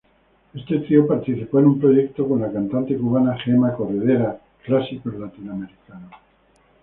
Este trío participó en un proyecto con la cantante cubana Gema Corredera, Clásicos Latinoamericanos.